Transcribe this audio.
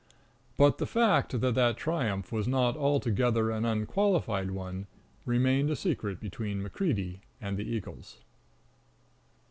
But the fact that that triumph was not altogether an unqualified one remained a secret between MacCreedy and the eagles.